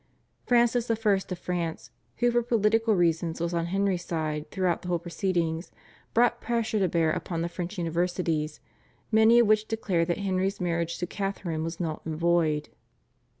Francis I. of France, who for political reasons was on Henry's side throughout the whole proceedings, brought pressure to bear upon the French universities, many of which declared that Henry's marriage to Catharine was null and void.